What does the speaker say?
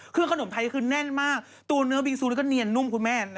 คือขนมไทยคือแน่นมากตัวเนื้อบิงซูนี่ก็เนียนนุ่มคุณแม่